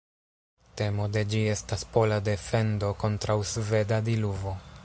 Temo de ĝi estas pola defendo kontraŭ sveda diluvo.